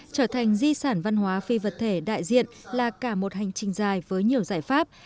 trở thành di sản văn hóa phi vật thể đại diện là cả một hành trình dài với nhiều giải pháp